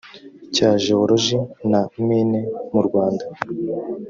cya jewoloji na mine mu rwanda